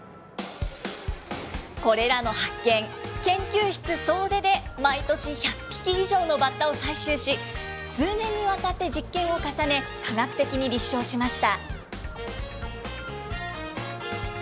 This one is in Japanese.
これらの発見、研究室総出で毎年１００匹以上のバッタを採集し、数年にわたって実験を重ね、科学的に立証しました。